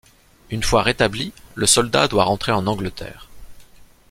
Une fois rétabli, le soldat doit rentrer en Angleterre.